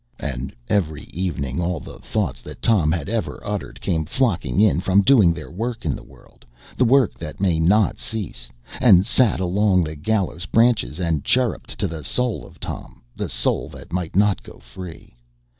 And every evening all the thoughts that Tom had ever uttered came flocking in from doing their work in the world, the work that may not cease, and sat along the gallows branches and chirrupped to the soul of Tom, the soul that might not go free.